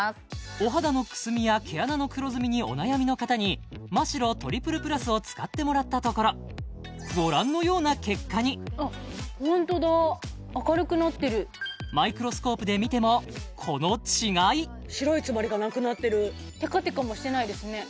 お肌のくすみや毛穴の黒ずみにお悩みの方にマ・シロトリプルプラスを使ってもらったところご覧のような結果にあっホントだ明るくなってるマイクロスコープで見てもこの違い白い詰まりがなくなってるテカテカもしてないですね